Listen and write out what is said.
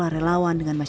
ini lebih aman